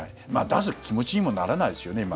出す気持ちにもならないですよね、今。